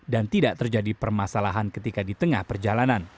dan tidak terjadi permasalahan ketika di tengah perjalanan